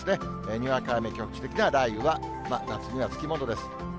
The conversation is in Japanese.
にわか雨、局地的な雷雨は夏には付き物です。